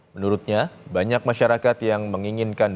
menurutnya banyak masyarakat yang menginginkan